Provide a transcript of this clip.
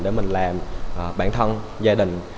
để mình làm bản thân gia đình